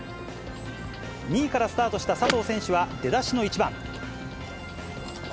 ２位からスタートした佐藤選手は、出だしの１番。